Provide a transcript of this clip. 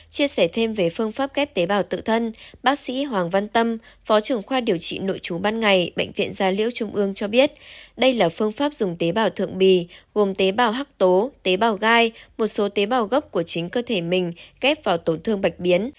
chia sẻ thêm về phương pháp ghép tế bào tự thân bác sĩ hoàng văn tâm phó trưởng khoa điều trị nội chú ban ngày bệnh viện gia liễu trung ương cho biết đây là phương pháp dùng tế bào thượng bì gồm tế bào hắc tố tế bào gai một số tế bào gốc của chính cơ thể mình ghép vào tổn thương bạch biến